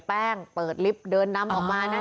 คุยกับตำรวจเนี่ยคุยกับตำรวจเนี่ย